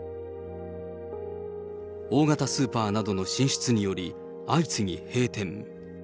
大型スーパーなどの進出により、相次ぎ閉店。